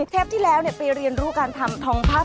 เทปที่แล้วไปเรียนรู้การทำทองภาพ